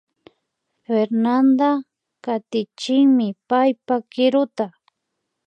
Fernanda katichinmi paypa kiruta